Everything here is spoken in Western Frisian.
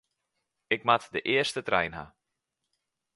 Ik moat de earste trein ha.